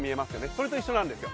それと一緒なんですよ。